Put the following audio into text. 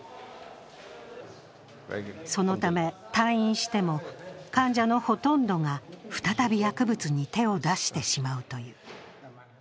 そのため退院しても、患者のほとんどが再び薬物に手を出してしまうという。